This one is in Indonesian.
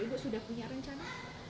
ibu sudah punya rencana